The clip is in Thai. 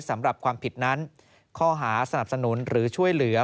สำหรับความผิดนั้นข้อหาสนับสนุนหรือช่วยเหลือ